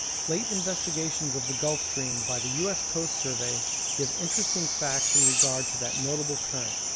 Late investigations of the Gulf Stream by the TJ. S. Coast Survey give interesting facts in regard to that notable current.